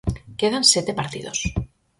Quedan sete partidos.